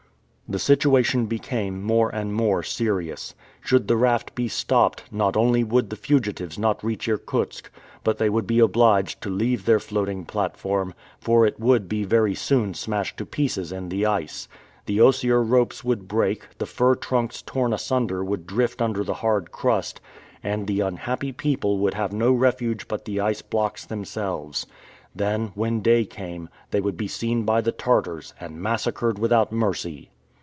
The situation became more and more serious. Should the raft be stopped, not only would the fugitives not reach Irkutsk, but they would be obliged to leave their floating platform, for it would be very soon smashed to pieces in the ice. The osier ropes would break, the fir trunks torn asunder would drift under the hard crust, and the unhappy people would have no refuge but the ice blocks themselves. Then, when day came, they would be seen by the Tartars, and massacred without mercy!